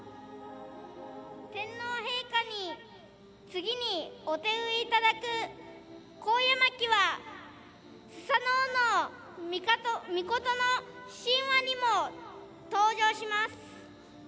天皇陛下に次にお手植えいただくコウヤマキはスサノオノミコトの神話にも登場します。